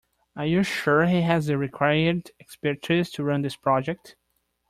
Are you sure he has the required expertise to run this project?